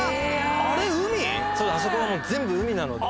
そうあそこはもう全部海なので。